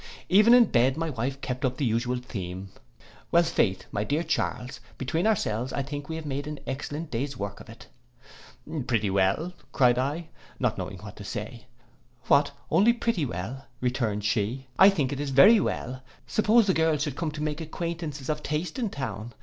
Even in bed my wife kept up the usual theme: 'Well, faith, my dear Charles, between ourselves, I think we have made an excellent day's work of it.'—'Pretty well,' cried I, not knowing what to say.—'What only pretty well!' returned she. 'I think it is very well. Suppose the girls should come to make acquaintances of taste in town!